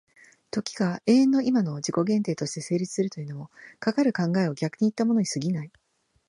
時が永遠の今の自己限定として成立するというのも、かかる考を逆にいったものに過ぎない。